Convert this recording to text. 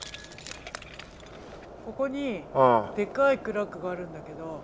ここにでかいクラックがあるんだけど。